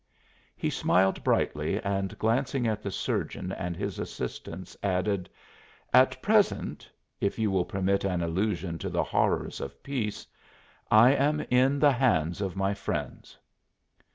He smiled brightly and glancing at the surgeon and his assistants added: "At present if you will permit an allusion to the horrors of peace I am 'in the hands of my friends.'"